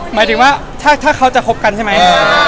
หมายถึงว่าถ้าเขาจะคบกันใช่ไหม